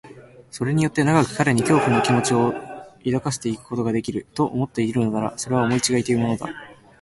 それによって長く彼に恐怖の気持を抱かせておくことができる、と思っているのなら、それは思いちがいというものだ。